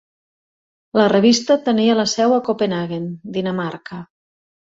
La revista tenia la seu a Copenhaguen, Dinamarca.